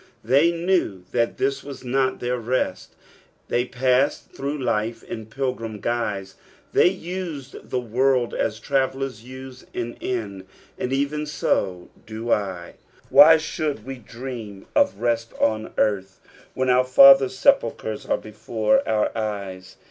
'^ They knew that this was not their rest ; they passed through life in pilgrim guise, they used the world as travellers use an inn, and even so do I. Why should we dream of rest on earth when our fathers' sepulchres are before our eyes